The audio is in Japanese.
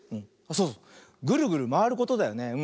そうそうグルグルまわることだよね。